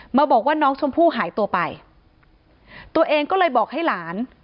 มาบอกว่าน้องชมพู่หายตัวไปตัวเองก็เลยบอกให้หลาน